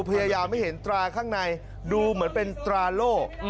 พยายามให้เห็นตราข้างในดูเหมือนเป็นตราโล่